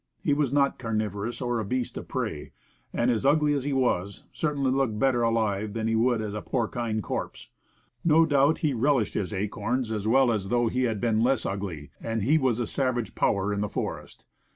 He was not carnivorous, or a beast of prey, and ugly as he was, certainly looked better alive than he would as a porcine corpse. No doubt he relished his acorns as well as though he had been less ugly, and he was a savage power in the forest.